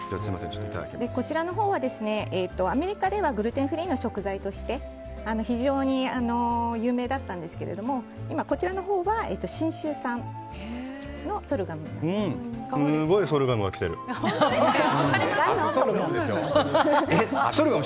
こちらは、アメリカではグルテンフリーの食材として非常に有名だったんですけれどもこちらのほうは信州産のソルガムになってます。